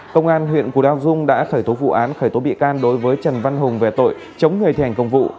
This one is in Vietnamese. công an huyện cù lao dung đã khởi tố vụ án khởi tố bị can đối với trần văn hùng về tội chống người thi hành công vụ